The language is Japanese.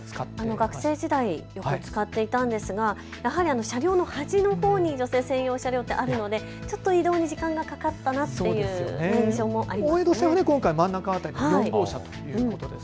学生時代よく使っていたんですが、車両の端のほうに女性専用車はあるので移動に時間がかかったなという印象があります。